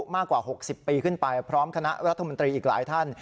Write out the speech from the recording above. มากกว่า๖๐ปีขึ้นไปพร้อมคณะรัฐมนตรีอีกหลายท่าน